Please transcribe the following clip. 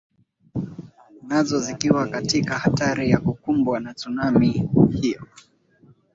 nazo zikiwa katika hatari ya kukumbwa na tsunami hiyo